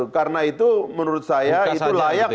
karena itu menurut saya layak